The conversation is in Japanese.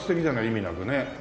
意味なくね。